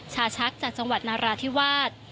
ชาชักจากจังหวัดนาราธิวาส